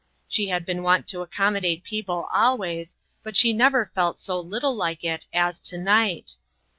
She had been wont to accommodate people always, but she never felt so little like it as to night.